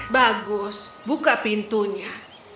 bagus buka pintunya